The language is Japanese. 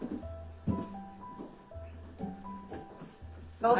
どうぞ。